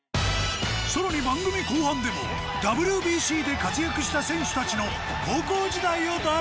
さらに番組後半でもＷＢＣで活躍した選手たちの高校時代を大公開。